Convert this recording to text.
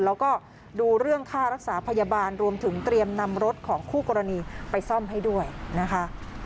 แล้วก็ดูเรื่องค่ารักษาพยาบาลรวมถึงเตรียมนำรถของคู่กรณีไปซ่อมให้ด้วยนะคะ